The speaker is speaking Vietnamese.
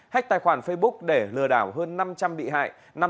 hách tài khoản facebook để lừa đảo hơn năm trăm linh bị hại